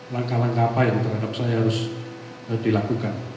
langkah langkah apa yang terhadap saya harus dilakukan